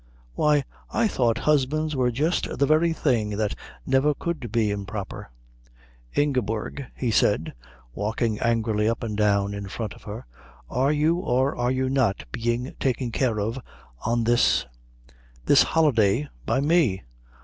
Why, I thought husbands were just the very things that never could be improper." "Ingeborg," he said, walking angrily up and down in front of her, "are you or are you not being taken care of on this this holiday by me?